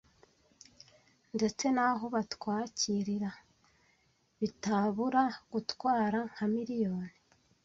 ndetse n’aho batwakirira bitabura gutwara nka miliyon